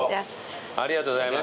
ありがとうございます。